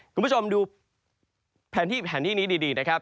คุณผู้ชมดูแผนที่แผนที่นี้ดีนะครับ